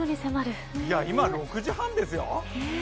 今、６時半ですよ？